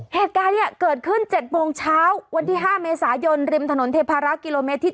เหตุการณ์เนี่ยเกิดขึ้น๗โมงเช้าวันที่๕เมษายนริมถนนเทพารักษ์กิโลเมตรที่๓